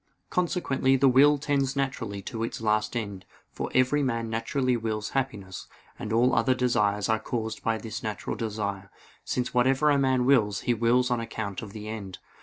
Consequently the will tends naturally to its last end; for every man naturally wills happiness: and all other desires are caused by this natural desire; since whatever a man wills he wills on account of the end.